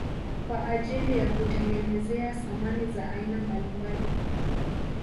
Kwa ajili ya kutengenezea samani za aina mbalimbali